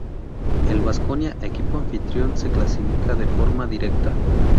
El Baskonia, equipo anfitrión, se clasifica de forma directa.